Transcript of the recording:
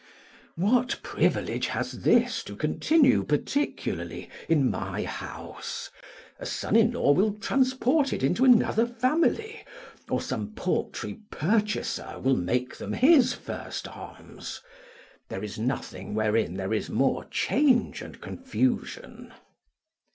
What privilege has this to continue particularly in my house? A son in law will transport it into another family, or some paltry purchaser will make them his first arms. There is nothing wherein there is more change and confusion.